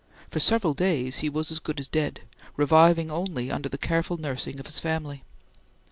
For several days he was as good as dead, reviving only under the careful nursing of his family.